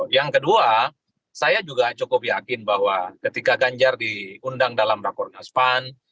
yang kedua saya juga cukup yakin bahwa ketika ganjar diundang dalam rakornas pan